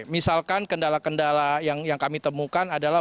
misalkan kendala kendala yang kami temukan adalah